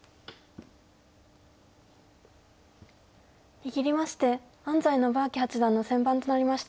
握りまして安斎伸彰八段の先番となりました。